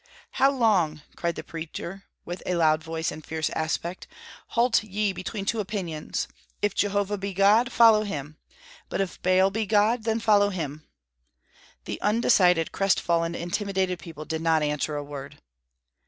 "How long," cried the preacher, with a loud voice and fierce aspect, "halt ye between two opinions? If Jehovah be God, follow him; but if Baal be God, then follow him." The undecided, crestfallen, intimidated people did not answer a word.